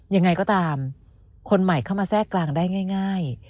ยังไงก็ตามคนใหม่เข้ามาแทรกกลางได้ง่าย